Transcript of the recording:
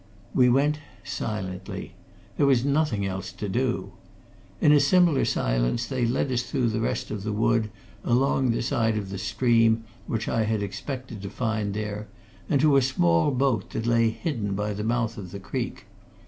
We went silently. There was nothing else to do. In a similar silence they led us through the rest of the wood, along the side of the stream which I had expected to find there, and to a small boat that lay hidden by the mouth of the creek.